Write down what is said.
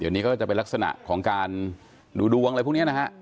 เดี๋ยวนี้ก็จะเป็นลักษณะของการดูดวงอะไรพวกนี้นะฮะ